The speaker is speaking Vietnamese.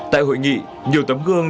tại hội nghị nhiều tấm gương